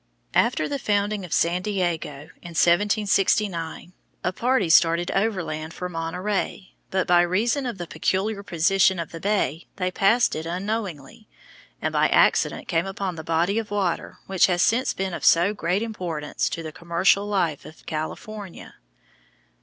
After the founding of San Diego, in 1769, a party started overland for Monterey, but by reason of the peculiar position of the bay they passed it unknowingly, and by accident came upon the body of water which has since been of so great importance to the commercial life of California.